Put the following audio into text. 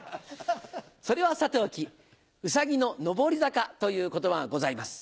それはさておき「兎の登り坂」という言葉がございます。